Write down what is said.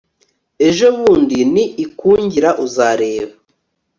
ejo bundi ni ikungira uzareba